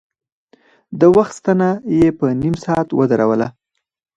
د وخت ستنه يې په نيم ساعت ودروله.